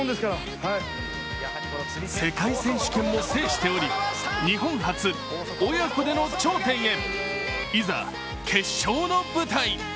世界選手権も制しており、日本初、親子での頂点へ、いざ決勝の舞台。